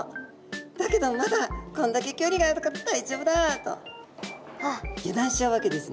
だけどまだこんだけ距離があるから大丈夫だ」と油断しちゃうわけですね。